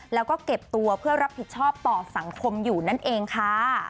แล้วก็เก็บตัวเพื่อรับผิดชอบต่อสังคมอยู่นั่นเองค่ะ